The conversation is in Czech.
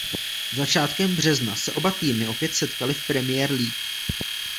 Začátkem března se oba týmy opět setkaly v Premier League.